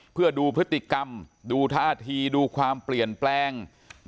เพื่อดูพฤติกรรมดูท่าทีดูความเปลี่ยนแปลง